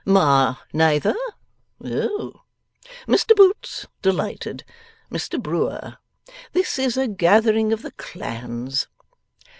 Ma, neither? Oh! Mr Boots! Delighted. Mr Brewer! This IS a gathering of the clans.